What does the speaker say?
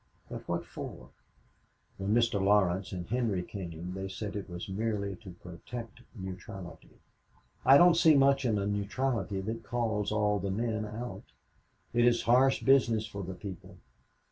But what for? When Mr. Laurence and Henry came they said it was merely to protect neutrality. I don't see much in a neutrality that calls all the men out. It is harsh business for the people.